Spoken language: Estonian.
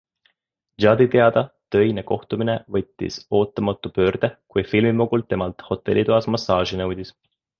Juddi teada töine kohtumine võttis ootamatu pöörde, kui filmimogul temalt hotellitoas massaaži nõudis.